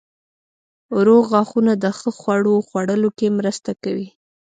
روغ غاښونه د ښه خوړو خوړلو کې مرسته کوي.